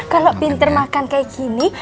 kalau pinter makan kayak gini